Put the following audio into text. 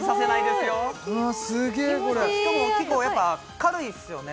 すげえこれしかも結構やっぱ軽いっすよね